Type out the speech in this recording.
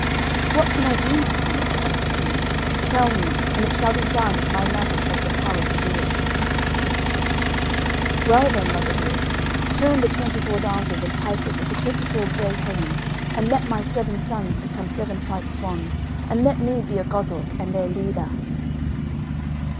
"What can I do, my son?" said the queen, "tell me, and it shall be done if my magic has power to do it." "Well then, mother dear, turn the twenty four dancers and pipers into twenty four grey herons, and let my seven sons become seven white swans, and let me be a goshawk and their leader."